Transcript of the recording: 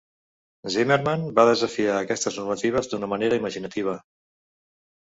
Zimmermann va desafiar aquestes normatives d'una manera imaginativa.